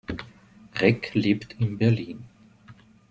Reck lebt in Berlin.